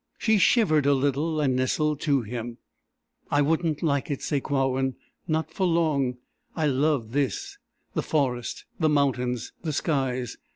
She shivered a little, and nestled to him. "I wouldn't like it, Sakewawin not for long. I love this the forest, the mountains, the skies."